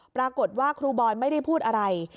ปรากฏว่าครูบอยไม่ได้พูดอะไร